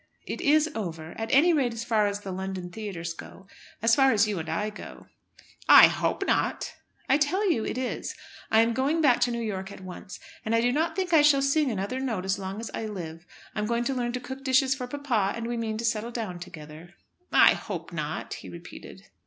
"It is over, at any rate as far as the London theatres go, as far as you and I go. "I hope not." "I tell you it is. I am going back to New York at once, and do not think I shall sing another note as long as I live. I'm going to learn to cook dishes for papa, and we mean to settle down together." "I hope not," he repeated.